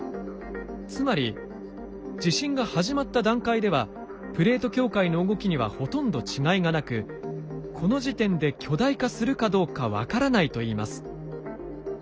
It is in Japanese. つまり地震が始まった段階ではプレート境界の動きにはほとんど違いがなくこの時点で巨大化するかどうか分からないといいます。